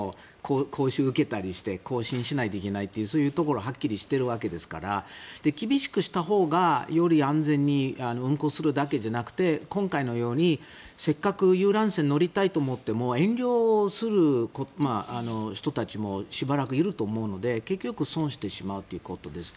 講習を受けたりして更新しないといけないというそういうところがはっきりしてるわけですから厳しくしたほうがより安全に運航するだけじゃなくて今回のように、せっかく遊覧船に乗りたいと思っても遠慮する人たちもしばらくいると思うので結局損してしまうということです。